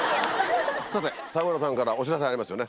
さて沢村さんからお知らせがありますよね。